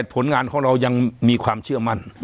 ผลงานของเรายังมีความเชื่อมั่น